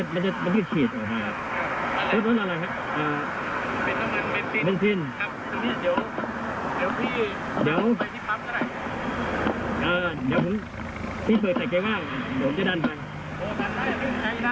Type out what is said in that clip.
เดี๋ยวพี่เปิดแต่ไกลว่างผมจะดันไป